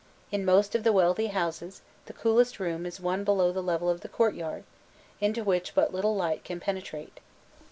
In most of the wealthy houses, the coolest room is one below the level of the courtyard, into which but little light can penetrate.